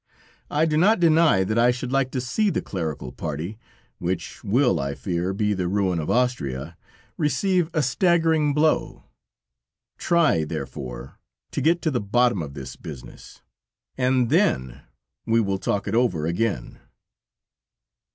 I do not deny that I should like to see the clerical party, which will, I fear, be the ruin of Austria, receive a staggering blow; try, therefore, to get to the bottom of this business, and then we will talk it over again."